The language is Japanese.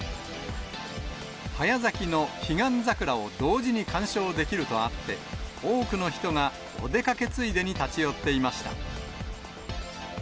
早咲きのヒガンザクラを同時に観賞できるとあって、多くの人がお出かけついでに立ち寄っていました。